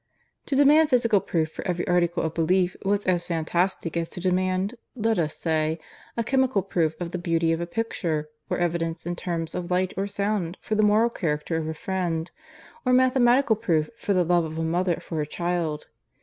To demand physical proof for every article of belief was as fantastic as to demand, let us say, a chemical proof of the beauty of a picture, or evidence in terms of light or sound for the moral character of a friend, or mathematical proof for the love of a mother for her child.